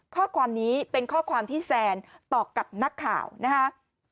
ข้อความนี้เป็นข้อความที่แซนตอบกับนักข่าวนะฮะ